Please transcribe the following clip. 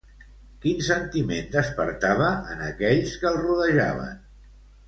Quin sentiment despertava en aquells que el rodejaven?